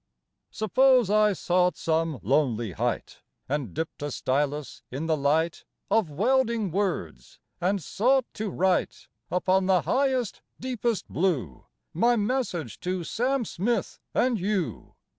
Suppose I sought some lonely height And dipped a stylus in the light Of welding worlds and sought to write Upon the highest, deepest blue My message to Sam Smith and you.